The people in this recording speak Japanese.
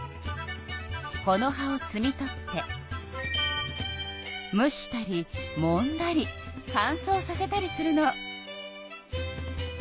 この葉をつみ取って蒸したりもんだり乾燥させたりするの。